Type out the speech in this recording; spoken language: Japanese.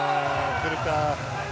来るか？